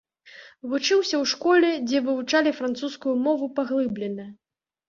Вучыўся ў школе, дзе вывучалі французскую мову паглыблена.